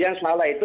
yang salah itu